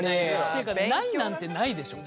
ていうかないなんてないでしょ。